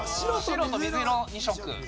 白と水色２色。